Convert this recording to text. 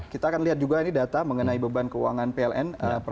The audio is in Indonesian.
kita akan lihat juga ini data mengenai beban keuangan pln